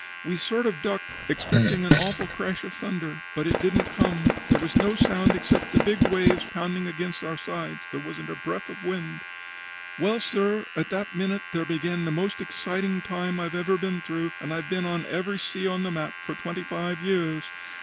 We sort of ducked, expecting an awful crash of thunder, but it didn't come. There was no sound except the big waves pounding against our sides. There wasn't a breath of wind. "Well, sir, at that minute there began the most exciting time I've ever been through, and I've been on every sea on the map for twenty five years.